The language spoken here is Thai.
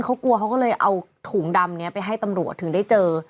เขากลัวเขาก็เลยเอาถุงดำนี้ไปให้ตำรวจถึงได้เจอ